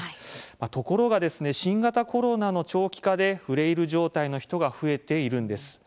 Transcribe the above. ところが新型コロナの長期化でフレイル状態の人が増えているんです。